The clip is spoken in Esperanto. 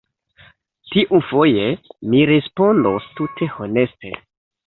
Tiufoje, mi respondos tute honeste!